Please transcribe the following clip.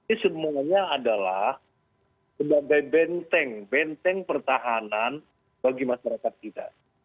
ini semuanya adalah sebagai benteng benteng pertahanan bagi masyarakat kita